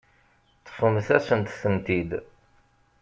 Ṭṭfemt-asent-tent-id.